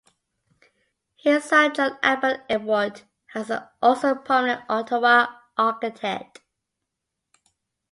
His son John Albert Ewart was also a prominent Ottawa architect.